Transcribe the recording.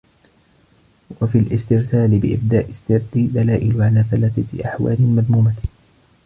وَفِي الِاسْتِرْسَالِ بِإِبْدَاءِ السِّرِّ دَلَائِلُ عَلَى ثَلَاثَةِ أَحْوَالٍ مَذْمُومَةٍ